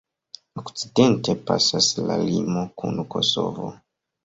Okcidente pasas la limo kun Kosovo.